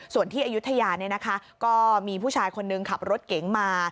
ส่วนที่อายุทยาเนี่ยนะคะก็มีผู้ชายคนนึงขับรถเก๋งมา